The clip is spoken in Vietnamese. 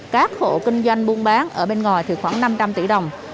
các hộ kinh doanh buôn bán ở bên ngoài thì khoảng năm trăm linh tỷ đồng